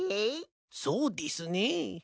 そうでぃすね。